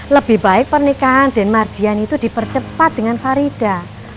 lebih baik pernikahan din mardian itu dipercepat dengan farida